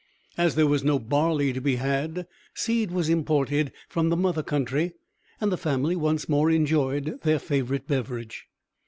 As there was no barley to be had, seed was imported from the mother country and the family once more enjoyed their favorite beverage.